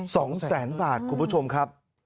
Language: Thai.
สองแสนบาทคุณผู้ชมครับ